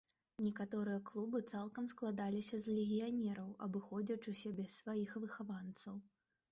Некаторыя клубы цалкам складаліся з легіянераў, абыходзячыся без сваіх выхаванцаў.